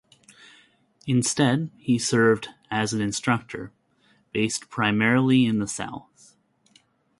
Instead, he served as an instructor, based primarily in the South.